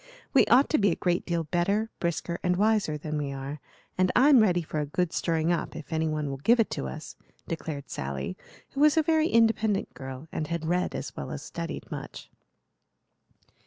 We ought to be a great deal better, brisker, and wiser than we are, and I'm ready for a good stirring up if any one will give it to us," declared Sally, who was a very independent girl and had read as well as studied much.